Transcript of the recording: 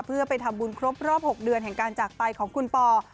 เพื่อไปทำบุญครบรอบ๖เดือนแห่งการจากไปของคุณปอ